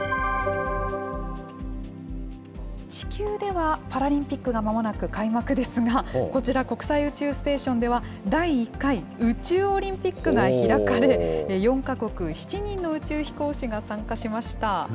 地球ではパラリンピックがまもなく開幕ですが、こちら、国際宇宙ステーションでは、第１回宇宙オリンピックが開かれ、４か国７人の宇宙飛行士が参加しました。